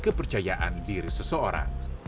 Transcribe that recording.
kepercayaan diri seseorang